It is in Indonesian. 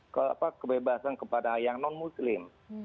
kebebasan kepada yang non muslim